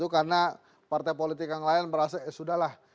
karena partai politik yang lain merasa eh sudah lah